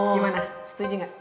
gimana setuju nggak